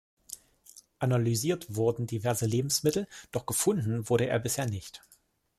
Analysiert wurden diverse Lebensmittel, doch gefunden wurde er bisher nicht.